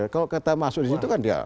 kalau kita masuk di situ kan ya